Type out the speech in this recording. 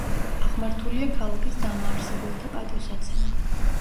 აღმართულია ქალაქის დამაარსებელთა პატივსაცემად.